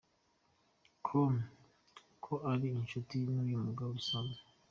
com ko ari inshuti n’uyu mugabo bisanzwe.